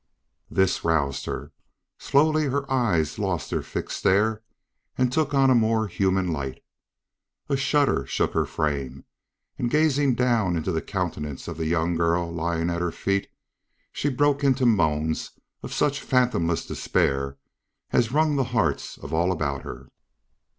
This roused her. Slowly her eyes lost their fixed stare and took on a more human light. A shudder shook her frame, and gazing down into the countenance of the young girl lying at her feet, she broke into moans of such fathomless despair as wrung the hearts of all about her.